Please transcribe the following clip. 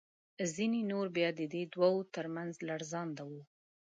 ځینې نور بیا د دې دوو تر منځ لړزانده وو.